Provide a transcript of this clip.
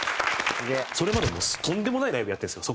それまでもとんでもないライブやってるんですよ